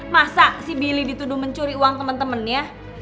masa si billy dituduh mencuri uang temen temennya